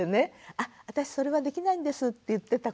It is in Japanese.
「あ私それはできないんです」って言ってた子がね